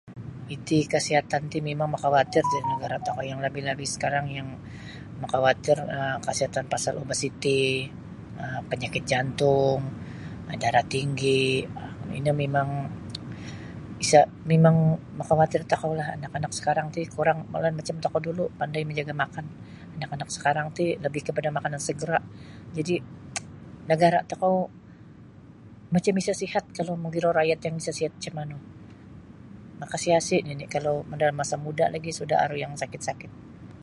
Iti kasiatan ti mimang makawatir da nagara' tokou yang labih-labih sakarang yang makawatir um kasiatan pasal obesiti, um panyakit jantung, darah tinggi. Ino mimang isa' mimang makawatir da tokoulah anak-anak sakarang ti kurang kolod macam tokou dulu pandai manjaga' makan anak-anak sakarang ti labih kapada makanan segera jadi' nagara' tokou macam isa sihat kalau mogilo rakyat yang isa sihat macam manu. Makasi'-asi' nini' kalau da masa muda' lagi sudah aru yang sakit-sakit.